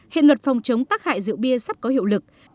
hiện luật phòng chống tắc hại rượu bia sắp có hiệu lực